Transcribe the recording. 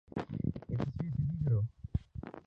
یہ تصویر سیدھی کرو